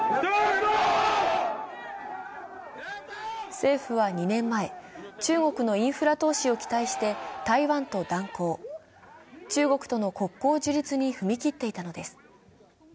政府は２年前、中国のインフラ投資を期待して台湾と断交、中国との国交樹立に踏み切っていたのです。